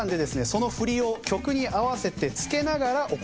その振りを曲に合わせてつけながらお答えください。